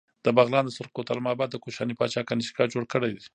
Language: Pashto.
د بغلان د سورخ کوتل معبد د کوشاني پاچا کنیشکا جوړ کړی